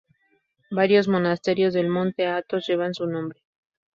Varios monasterios del monte Athos llevan su nombre.